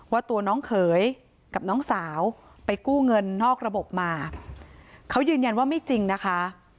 ว่าตัวน้องเขยกับน้องสาวไปกู้เงินนอกระบบมาเขายืนยันว่าไม่จริงนะคะ